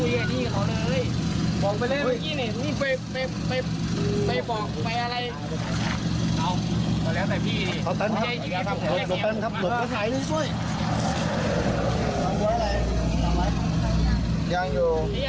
ยังอยู่